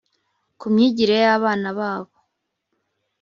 ku myigire y abana babo